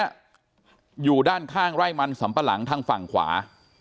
อยู่ด้านข้างไร่มันสำปะหลังทางฝั่งขวา